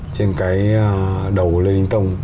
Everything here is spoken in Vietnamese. trên cái đầu của lê đình tông